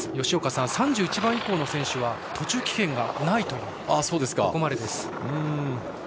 吉岡さん、３１番以降の選手は途中棄権がないという、ここまでです。